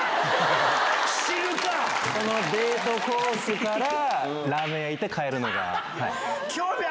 デートコースからラーメン屋行って帰るのが。